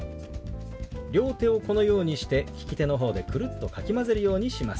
両手をこのようにして利き手の方でくるっとかき混ぜるようにします。